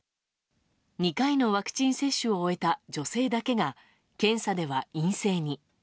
２回のワクチン接種を終えた女性だけが検査では陰性に。